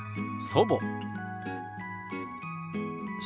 祖母。